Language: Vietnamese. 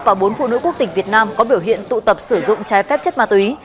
và bốn phụ nữ quốc tịch việt nam có biểu hiện tụ tập sử dụng trái phép chất ma túy